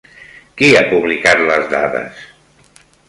Qui ha publicat les dades?